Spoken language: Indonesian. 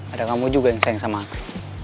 ada kamu juga yang sayang sama aku